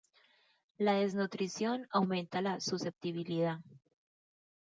La desnutrición aumenta la susceptibilidad.